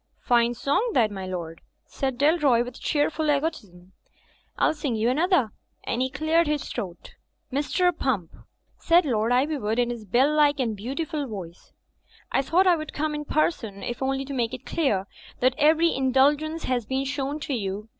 'Tine song that, my lord,'' said Dalroy, with cheer ful egotism. "I'll sing you another," and he cleared his throat. "Mr. Pump," said Loi;(i Ivywood, in his bell like and beautiful voice, "I thought I would come in person, if only to make it clear that every indulgence has been shown you.